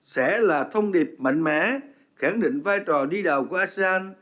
sẽ là thông điệp mạnh mẽ khẳng định vai trò đi đào của asean